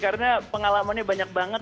karena pengalamannya banyak banget